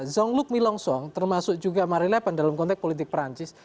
jean luc milongson termasuk juga marie leppin dalam konteks politik prancis